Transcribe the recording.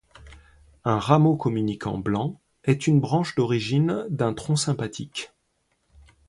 Un rameau communicant blanc est une branche d'origine d'un tronc sympathique.